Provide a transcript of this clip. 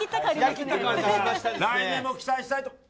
来年も期待したいと。